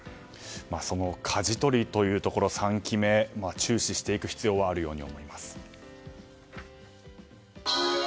そのかじ取りというところ３期目を注視していく必要はあるように思われます。